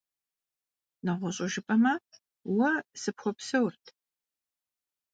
НэгъуэщӀу жыпӀэмэ, уэ сыпхуэпсэурт…